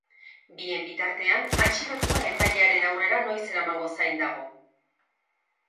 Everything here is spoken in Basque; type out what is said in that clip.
Bien bitartean, atxilotua epailearen aurrera noiz eramango zain dago.